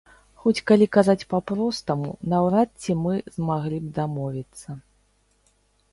Хоць калі казаць па-простаму, наўрад ці мы змаглі б дамовіцца.